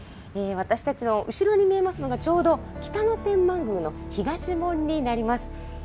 私たちの後ろに見えますのがちょうど北野天満宮の東門になります。